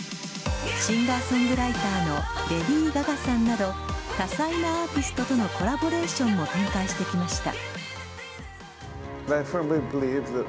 シンガー・ソングライターのレディー・ガガさんなど多彩なアーティストとのコラボレーションを繰り返してきました。